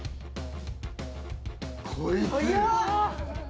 こいつ！